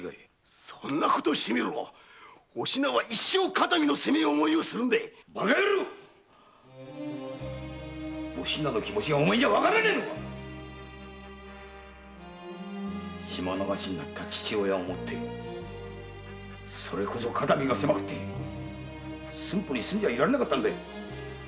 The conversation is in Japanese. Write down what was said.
そんなことをしてみろお品は一生肩身の狭い思いをするんだバカ野郎お品の気持がお前にはわからねぇのか島流しになった父親をもってそれこそ肩身が狭くて駿府に住んではいられなくなったんだ。